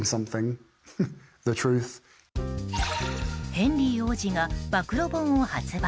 ヘンリー王子が暴露本を発売。